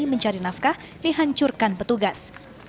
mencari nafkah dihancurkan petugas